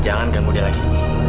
ji jangan ganggu dia lagi